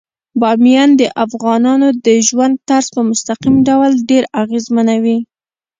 بامیان د افغانانو د ژوند طرز په مستقیم ډول ډیر اغېزمنوي.